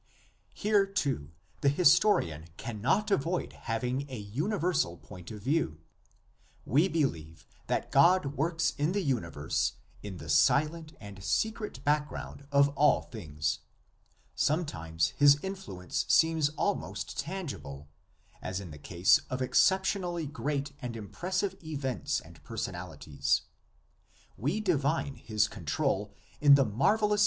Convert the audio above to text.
Here too the historian cannot avoid having a universal point of view. We believe that God works in the universe in the silent and secret background of all things; sometimes his influence seems almost tangible, as in the case of exceptionally great and impressive events and per sonalities; we divine his control in the marvellous 1 Compare my Commentary on Genesis, pp. 78 ff. SIGNIFICANCE OF THE LEGENDS.